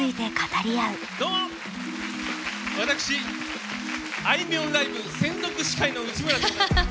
私、あいみょんライブ専属司会の内村でございます。